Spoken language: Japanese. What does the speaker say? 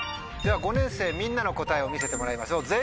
では５年生みんなの答えを見せてもらいましょう。